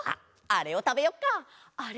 あれをたべよう。